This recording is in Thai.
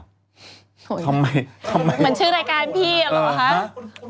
มันชื่อรายการพี่อ่ะหรอ